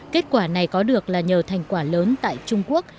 kết quả này có được là nhờ thành quả lớn tại trung quốc